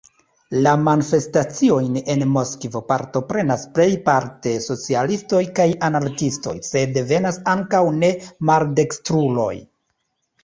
La manifestaciojn en Moskvo partoprenas plejparte socialistoj kaj anarkiistoj, sed venas ankaŭ ne-maldekstruloj.